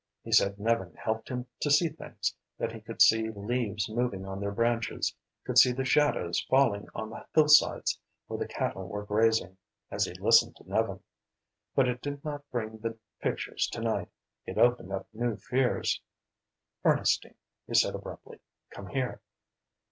He said Nevin helped him to see things, that he could see leaves moving on their branches, could see the shadows falling on the hillsides where the cattle were grazing, as he listened to Nevin. But it did not bring the pictures to night. It opened up new fears. "Ernestine," he said abruptly, "come here."